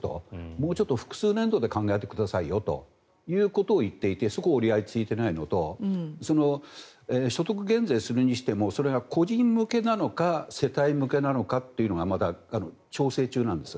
もうちょっと複数年度で考えてくださいよということを言っていてそこが折り合いがついていないのと所得減税をするにしてもそれが個人向けなのか世帯向けなのかというのがまだ調整中なんです。